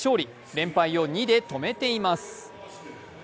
連敗を２で止めています。